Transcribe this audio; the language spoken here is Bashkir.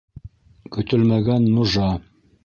Көтөлмәгән нужа.